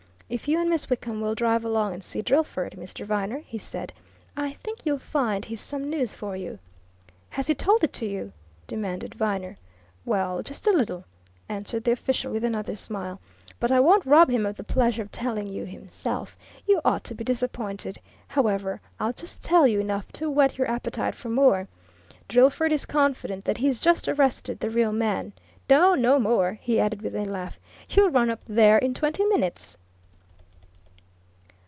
"If you and Miss Wickham will drive along and see Drillford, Mr. Viner," he said. "I think you'll find he's some news for you." "Has he told it to you?" demanded Viner. "Well just a little," answered the official with another smile. "But I won't rob him of the pleasure of telling you himself. You ought to be disappointed. However, I'll just tell you enough to whet your appetite for more Drillford is confident that he's just arrested the real man! No no more!" he added, with a laugh. "You'll run up there in twenty minutes."